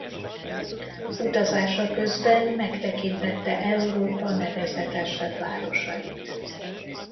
Utazása közben megtekintette Európa nevezetesebb városait.